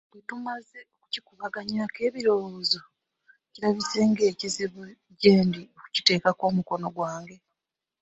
Bwetumaze okukikubaganyaako ebirowozo, kirabise nga kizibu gyendi okukiteekako omukono gwange.